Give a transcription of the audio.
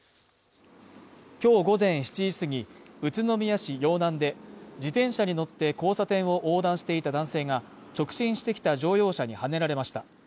今日午前７時すぎ、宇都宮市陽南で、自転車に乗って交差点を横断していた男性が直進してきた乗用車にはねられました。